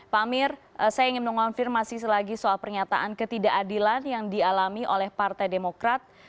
pak amir saya ingin mengonfirmasi selagi soal pernyataan ketidakadilan yang dialami oleh partai demokrat